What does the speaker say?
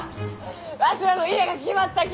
わしらの家が決まったき！